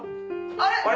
あれ？